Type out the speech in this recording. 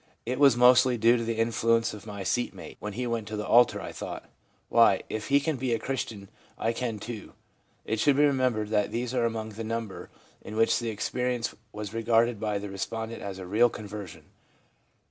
It was mostly due to the influence of my seat mate ; when he went to the altar, I thought, " Why, if he can be a Christian, I can, too/' ' It should be remembered that these are among the number in which the experi ence was regarded by the respondent as a real con version.